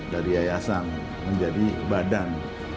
dari yayasan menjadi badan